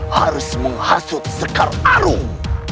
harus menghasut zekar arung